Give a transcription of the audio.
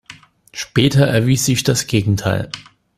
Später erwies sich das Gegenteil.